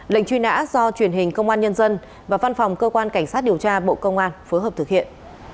lệnh truy nã do truyền hình công an nhân dân và văn phòng cơ quan cảnh sát điều tra bộ công an phối hợp thực hiện